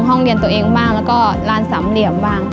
ห้องเรียนตัวเองบ้างแล้วก็ลานสำเหลี่ยมบ้าง